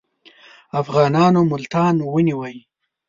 افغانانو ملتان ونیوی.